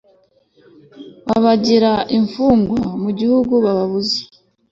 babagira imfungwa mu gihugu bababuza